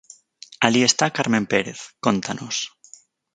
Alí está Carmen Pérez, cóntanos.